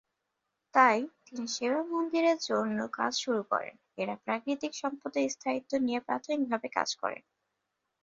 তাই, তিনি সেবা মন্দিরের জন্য কাজ শুরু করেন, এঁরা প্রাকৃতিক সম্পদের স্থায়িত্ব নিয়ে প্রাথমিকভাবে কাজ করেন।